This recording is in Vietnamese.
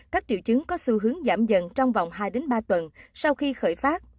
các triệu chứng có xu hướng giảm dần trong vòng hai ba tuần sau khi khởi phát